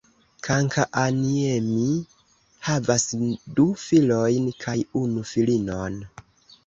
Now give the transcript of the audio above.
Kankaanniemi havas du filojn kaj unu filinon.